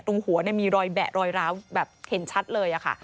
ตรงหัวมีรอยแบะรอยร้าวแบบเห็นชัดเลยค่ะ